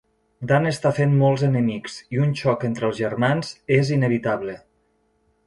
Dan està fent molts enemics, i un xoc entre els germans és inevitable.